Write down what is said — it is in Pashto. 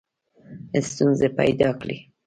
ستونزي پیدا کړې.